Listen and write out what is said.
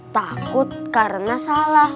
takut karena salah